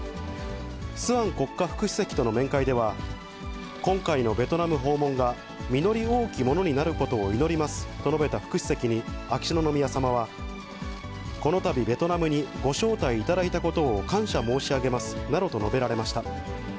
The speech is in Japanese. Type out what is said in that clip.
スアン国家副主席との面会では、今回のベトナム訪問が実り多きものになることを祈りますと述べた副主席に秋篠宮さまは、このたびベトナムにご招待いただいたことを感謝申し上げますなどと述べられました。